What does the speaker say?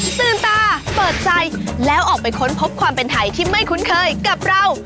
ตื่นตาเปิดใจแล้วออกไปค้นพบความเป็นไทยที่ไม่คุ้นเคยกับเรา